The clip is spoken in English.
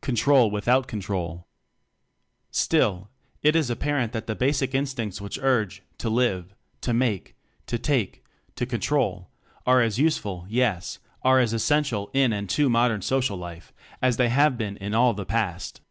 Control Without Control. Still, it is apparent that the basic instincts which urge "to live," "to make," "to take," "to control," are as useful, yes, are as essential in and to modern social life as they have been in all the past.